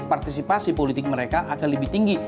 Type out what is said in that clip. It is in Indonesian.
partisipasi politik mereka akan lebih tinggi